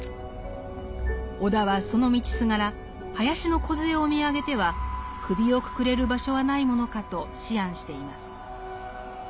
尾田はその道すがら林の梢を見上げては首をくくれる場所はないものかと思案しています。